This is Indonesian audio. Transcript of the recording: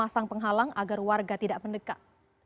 dan penghalang agar warga tidak mendekat